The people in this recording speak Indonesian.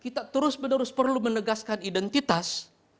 kita terus menerus perlu menegaskan identitas